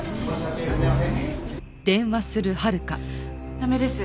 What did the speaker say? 駄目です。